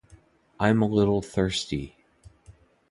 I'm a little thirsty.